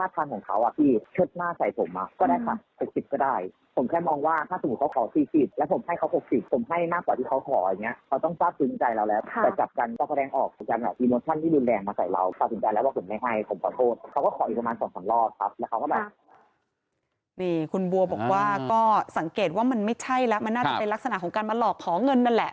มันน่าจะเป็นลักษณะของการมาหลอกขอเงินนั่นแหละ